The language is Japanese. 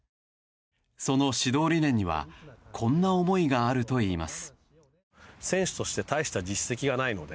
その指導理念にはこんな思いがあるといいます。